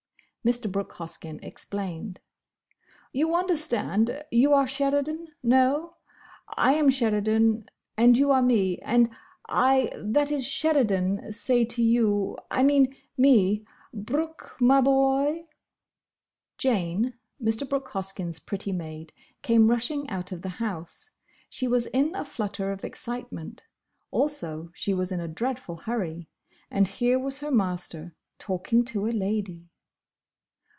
Mr. Brooke Hoskyn explained. "You understand: you are Sheridan—no; I am Sheridan and you are me. And I—that is Sheridan—say to you—I mean, me—'Brooke, my boy—'" Jane, Mr. Brooke Hoskyn's pretty maid, came rushing out of the house. She was in a flutter of excitement; also she was in a dreadful hurry—and here was her master, talking to a lady!